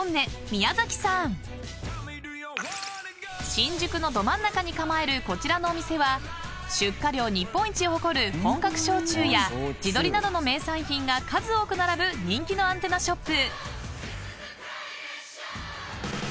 ［新宿のど真ん中に構えるこちらのお店は出荷量日本一を誇る本格焼酎や地鶏などの名産品が数多く並ぶ人気のアンテナショップ］